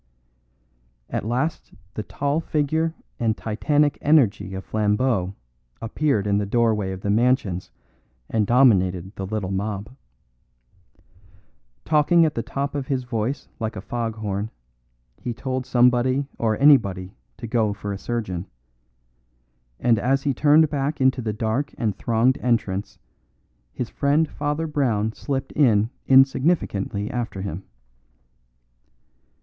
At last the tall figure and titanic energy of Flambeau appeared in the doorway of the mansions and dominated the little mob. Talking at the top of his voice like a fog horn, he told somebody or anybody to go for a surgeon; and as he turned back into the dark and thronged entrance his friend Father Brown dipped in insignificantly after him.